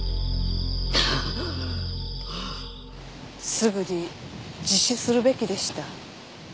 すぐに自首するべきでした。